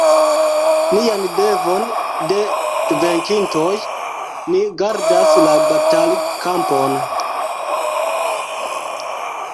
Nian devon de venkintoj: ni gardas la batalkampon!